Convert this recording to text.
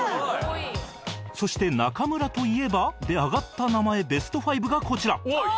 そして「中村といえば？」で挙がった名前ベスト５がこちら